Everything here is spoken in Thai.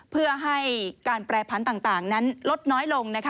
เพื่อให้การแปรผันต่างนั้นลดน้อยลง